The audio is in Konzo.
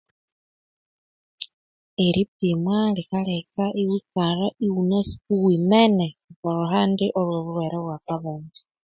Eripimwa likaleka iwikalha ighunasi kuwimene okulhuhandi olho bulhwere obwa kabonde